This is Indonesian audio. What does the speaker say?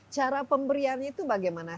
cara pemberian itu bagaimana